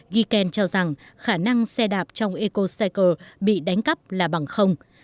giken cho rằng khả năng xe đạp trong ecocycle bị đánh cắp là bằng không